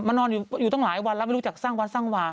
นอนอยู่ตั้งหลายวันแล้วไม่รู้จักสร้างวัดสร้างวา